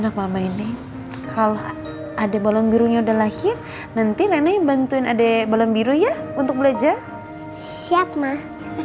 kalau adik balon birunya udah lahir nanti nenek bantuin adik balon biru ya untuk belajar siap mah